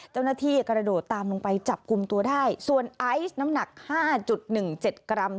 เจ้าหน้าที่กระโดดตามลงไปจับกลุ่มตัวได้ส่วนไอซ์น้ำหนัก๕๑๗กรัม